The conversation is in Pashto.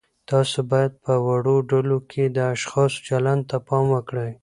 تاسو باید په وړو ډلو کې د اشخاصو چلند ته پام وکړئ.